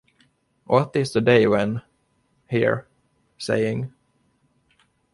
What is the day when ...hear ...saying ...?